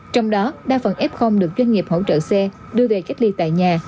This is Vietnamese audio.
trong đó đa phần f được doanh nghiệp hỗ trợ xe đưa về cách ly tại nhà